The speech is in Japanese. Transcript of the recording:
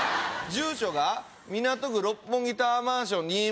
住所が港区六本木タワーマンション２０４３。